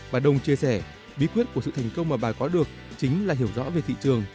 bà đông chia sẻ bí quyết của sự thành công mà bà có được chính là hiểu rõ về thị trường